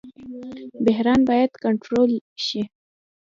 بحران باید کنټرول شي